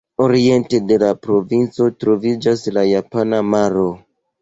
Oriente de la provinco troviĝas la Japana Maro.